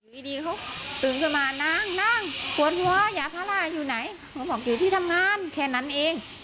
อยู่ดีเขาตื่นขึ้นมานางนั่งปวดหัวยาพาร่าอยู่ไหนเขาบอกอยู่ที่ทำงานแค่นั้นเอง